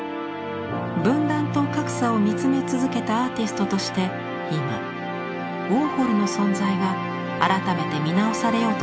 「分断」と「格差」を見つめ続けたアーティストとして今ウォーホルの存在が改めて見直されようとしています。